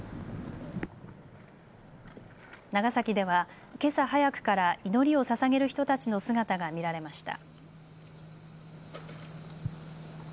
長崎では、けさ早くから祈りをささげる人たちの姿が見られました。